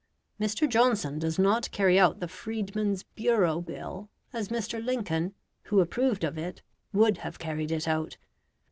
Mr. Johnson does not carry out the Freedman's Bureau Bill as Mr. Lincoln, who approved of it, would have carried it out.